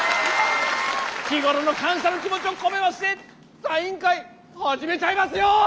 日頃の感謝の気持ちを込めましてサイン会始めちゃいますよ！